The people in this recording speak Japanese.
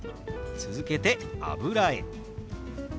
続けて「油絵」。